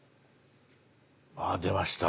あ出ました。